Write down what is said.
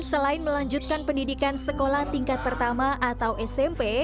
selain melanjutkan pendidikan sekolah tingkat pertama atau smp